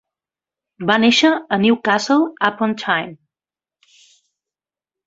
Va néixer a Newcastle-Upon-Tyne.